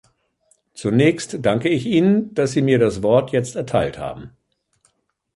Zunächst danke ich Ihnen, dass Sie mir das Wort jetzt erteilt haben.